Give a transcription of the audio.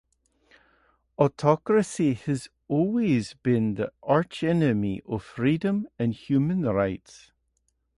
Autocracy has always been the archenemy of freedom and human rights.